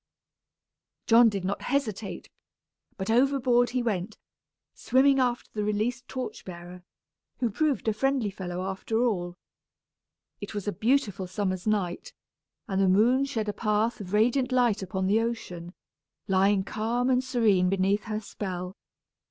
John did not hesitate, but overboard he went, swimming after the released torch bearer, who proved a friendly fellow after all. It was a beautiful summer's night, and the moon shed a path of radiant light upon the ocean, lying calm and serene beneath her spell.